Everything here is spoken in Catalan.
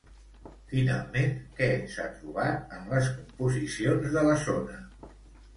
Finalment, què s'ha trobat en les composicions de la zona?